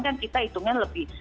dan kita hitungnya lebih